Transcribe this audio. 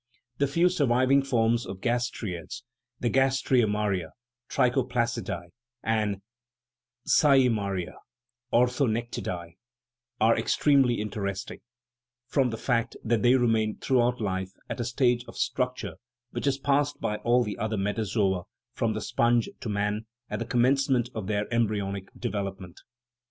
The few surviving forms of gastraeads, the gastraemaria (trichoplacidae) and cye maria (orthonectidae) , are extremely interesting, from the fact that they remain throughout life at a stage of structure which is passed by all the other metazoa (from the sponge to man) at the commencement of their embryonic development.